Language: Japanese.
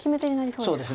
そうですね。